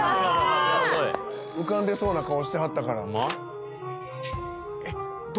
浮かんでそうな顔してはったからホンマ？